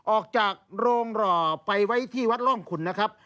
ออกจากโรงหล่อไปไว้ที่วัดร่องขุนนะครับ